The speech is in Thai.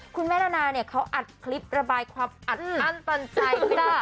คุณแม่นานาเนี่ยเขาอัดคลิประบายความอัดอั้นตันใจจ้ะ